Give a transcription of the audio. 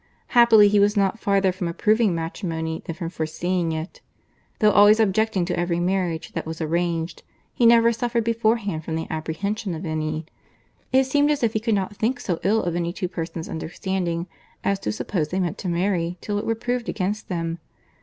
Happily he was not farther from approving matrimony than from foreseeing it.—Though always objecting to every marriage that was arranged, he never suffered beforehand from the apprehension of any; it seemed as if he could not think so ill of any two persons' understanding as to suppose they meant to marry till it were proved against them.